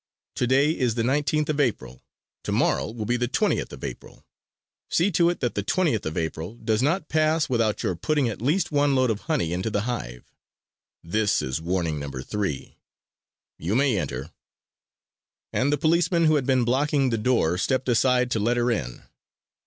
Today is the nineteenth of April. Tomorrow will be the twentieth of April. See to it that the twentieth of April does not pass without your putting at least one load of honey into the hive. This is Warning Number 3! You may enter!" And the policemen who had been blocking the door stepped aside to let her in.